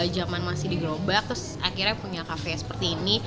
jaman masih di grobak terus akhirnya punya cafe seperti ini